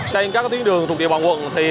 trên các tuyến đường thuộc địa bàn quận